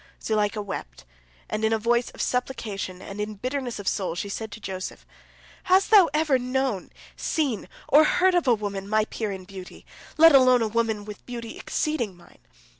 Zuleika wept, and in a voice of supplication, and in bitterness of soul, she said to Joseph: "Hast thou ever known, seen, or heard of a woman my peer in beauty, let alone a woman with beauty exceeding mine?